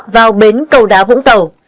vào bến cầu đá vũng tàu